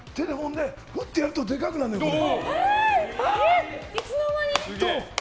フッてやるとでかくなるねん、これ。